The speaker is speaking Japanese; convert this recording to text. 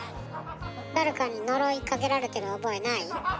誰かに呪いかけられてる覚えない？